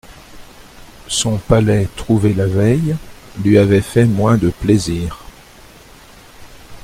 Son palais, trouvé la veille, lui avait fait moins de plaisir.